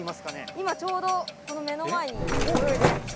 今ちょうどこの目の前に泳いでくれています。